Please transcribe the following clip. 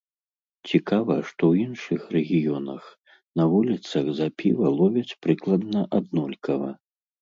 Цікава, што ў іншых рэгіёнах на вуліцах за піва ловяць прыкладна аднолькава.